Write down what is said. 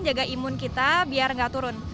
jaga imun kita biar nggak turun